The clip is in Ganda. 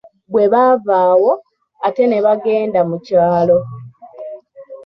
Bwe baava awo, ate ne bagenda mu kyalo.